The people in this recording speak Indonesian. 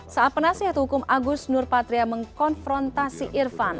saat penasihat hukum agus nurpatria mengkonfrontasi irfan